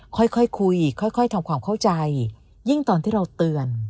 ค่อยคุยค่อยทำความเข้าใจยิ่งตอนที่เราเตือน